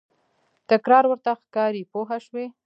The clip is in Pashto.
تکرار ورته ښکاري پوه شوې!.